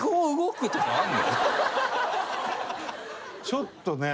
ちょっとね。